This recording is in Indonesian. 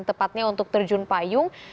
tepatnya untuk terjun payung